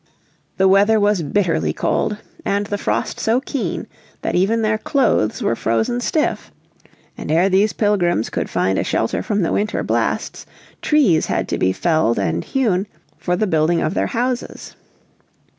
The weather was bitterly cold and the frost so keen that even their clothes were frozen stiff. And ere these Pilgrims could find a shelter from the winter blasts, trees had to be felled and hewn for the building of their houses.